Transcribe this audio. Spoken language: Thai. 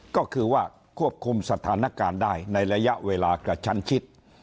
ก็คือว่าควบคุมสถานการณ์ได้ในระยะเวลากระชั้นชิด